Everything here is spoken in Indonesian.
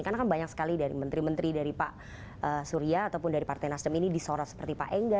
karena kan banyak sekali dari menteri menteri dari pak surya ataupun dari partai nasdem ini disorot seperti pak engga